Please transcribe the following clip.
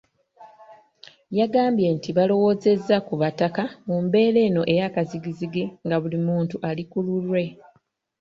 Yagambye nti balowoozezza ku Bataka mu mbeera eno eyakazigizigi nga buli muntu ali ku lulwe.